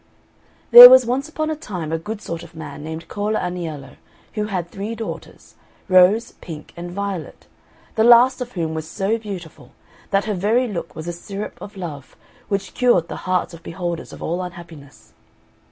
There was once upon a time a good sort of man named Cola Aniello, who had three daughters, Rose, Pink, and Violet, the last of whom was so beautiful that her very look was a syrup of love, which cured the hearts of beholders of all unhappiness.